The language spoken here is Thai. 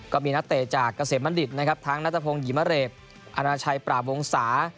ก็มีนักเตะจากเกษมบัณฑิตนะครับทั้งนัทพงศ์หิมะเรกอนาชัยปราบวงศา